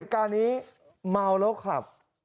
เหล็กการนี้มาวแล้วขับ